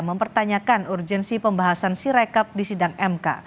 mempertanyakan urgensi pembahasan sirekap di sidang mk